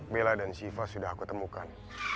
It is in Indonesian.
bella dan siva sudah aku temukan